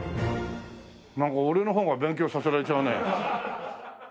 なんか俺の方が勉強されられちゃうね。